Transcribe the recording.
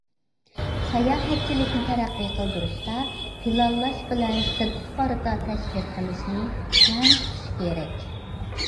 ساياھەتچىلىكنى تەرەققىي قىلدۇرۇشتا پىلانلاش بىلەن سىرتقا قارىتا تەشۋىق قىلىشنى تەڭ تۇتۇش كېرەك.